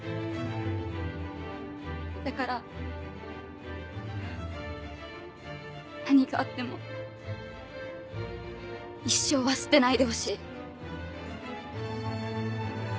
だから。何があっても「一生」は捨てないでほしい。